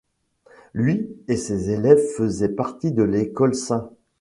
Lui et ses élèves faisaient partie de l’école St.